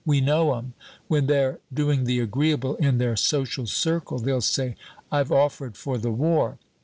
We know 'em! When they're doing the agreeable in their social circle, they'll say, 'I've offered for the war.'